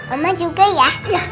oma juga ya